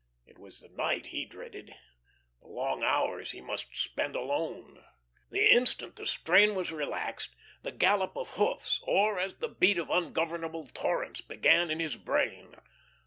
It was the night he dreaded the long hours he must spend alone. The instant the strain was relaxed, the gallop of hoofs, or as the beat of ungovernable torrents began in his brain.